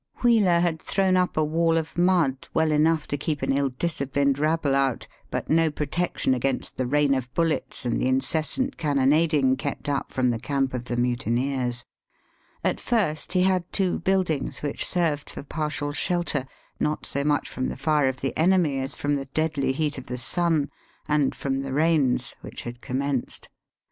Wheeler had thrown up a wall of mud, well enough to keep an ill disciplined rabble out, but no protection against the rain of bullets and the incessant cannonading kept up from the camp of the mutineers. At first he had Digitized by VjOOQIC CHRISTMAS AT CAWNPORE. 257 two buildings which served for partial shelter, not so much from the fire of the enemy as from the deadly heat of the sun, and from the rains which had commenced.